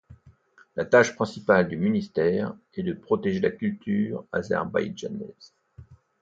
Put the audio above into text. La tâche principale du ministère est de protéger la culture azerbaïdjanaise.